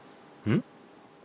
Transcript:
ん？